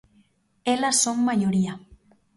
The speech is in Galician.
Elas son maioría.